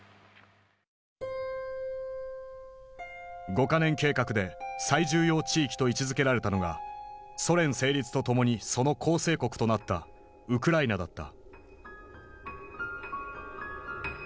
五か年計画で最重要地域と位置づけられたのがソ連成立とともにその構成国となったウクライナだった。